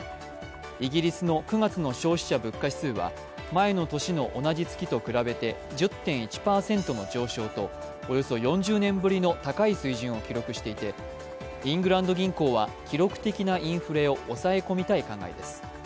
イギリスの９月の消費者物価指数は前の年の同じ月と比べて１０．１％の上昇とおよそ４０年ぶりの高い水準を記録していてイングランド銀行は記録的なインフレを抑え込みたい考えです。